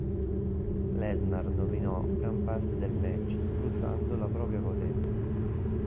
Lesnar dominò gran parte del match sfruttando la propria potenza.